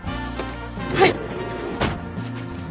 はい。